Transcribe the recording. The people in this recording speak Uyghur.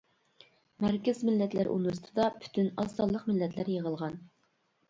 مەركىزىي مىللەتلەر ئۇنىۋېرسىتېتىدا پۈتۈن ئاز سانلىق مىللەتلەر يىغىلغان.